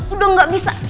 udah gak bisa